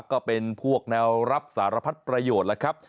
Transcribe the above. ก็เป็นพวกแนวรับสารพัดประโยชน์แล้วครับ